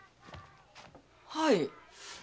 はい。